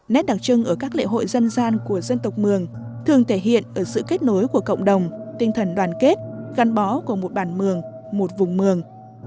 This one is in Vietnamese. nét đặc trưng ở các lễ hội dân gian của dân tộc mường thường thể hiện ở sự kết nối của cộng đồng tinh thần đoàn kết gắn bó của một bản mường một vùng mường